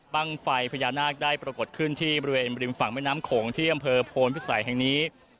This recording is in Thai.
ไฟพญานาคได้ปรากฏขึ้นที่บริเวณบริมฝั่งแม่น้ำโขงที่อำเภอโพนพิสัยแห่งนี้